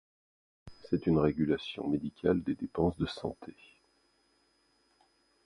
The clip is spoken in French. C'est une régulation médicale des dépenses de santé.